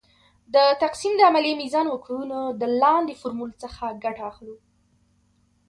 د تقسیم د عملیې میزان وکړو نو د لاندې فورمول څخه ګټه اخلو .